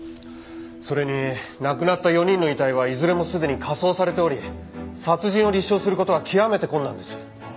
それに亡くなった４人の遺体はいずれもすでに火葬されており殺人を立証する事は極めて困難です。